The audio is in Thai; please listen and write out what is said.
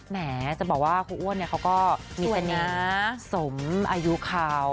แหมจะบอกว่าคู่อ้วนเนี่ยเขาก็มีสนิทสมอายุเขา